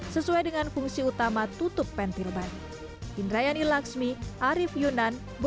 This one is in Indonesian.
sesuai dengan fungsi utama tutup pentil ban